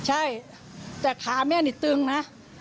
ใช่แต่ขาแม่นี่ตึงนะ